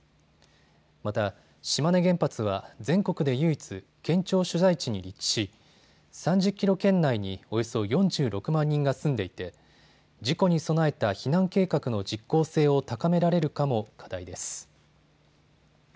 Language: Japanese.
また、島根原発は全国で唯一、県庁所在地に立地し３０キロ圏内におよそ４６万人が住んでいて事故に備えた避難計画の実効性を高められるかも課題です。